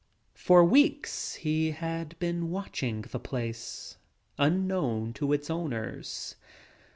For weeks he had been watch ing the place unknown to its owners.